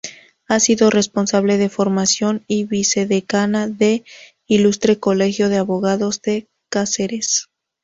Ha sido responsable de formación y vicedecana del Ilustre Colegio de Abogados de Cáceres.